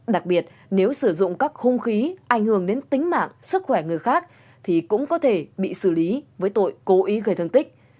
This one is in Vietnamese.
đặc biệt nếu sử dụng các hung khí ảnh hưởng đến tính mạng sức khỏe người khác thì cũng có thể bị xử lý với tội cố ý gây thương tích